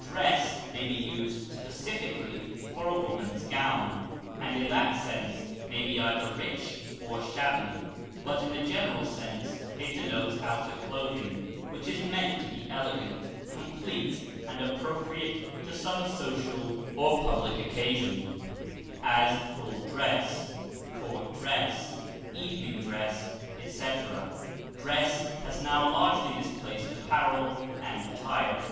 Dress may be used, specifically, for a woman's gown, and in that sense may be either rich or shabby; but in the general sense it denotes outer clothing which is meant to be elegant, complete, and appropriate to some social or public occasion; as, full dress, court dress, evening dress, etc. Dress has now largely displaced apparel and attire.